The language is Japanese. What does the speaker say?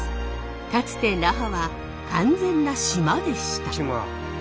かつて那覇は完全な島でした。